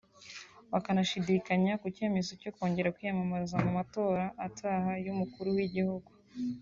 bakanashidikanya ku cyemezo cyo kongera kwiyamamaza mu matora ataha y’Umukuru w’Igihugu